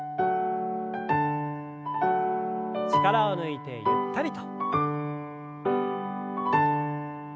力を抜いてゆったりと。